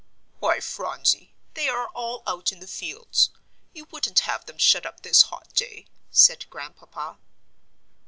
"Why, Phronsie, they are all out in the fields. You wouldn't have them shut up this hot day," said Grandpapa.